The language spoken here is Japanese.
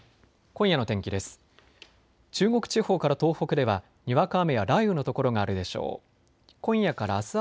今夜の天気です。